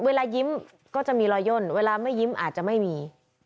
เวลายิ้มก็จะมีรอยย่นเวลาไม่ยิ้มอาจจะไม่มี